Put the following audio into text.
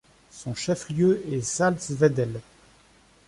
Son chef lieu est Salzwedel.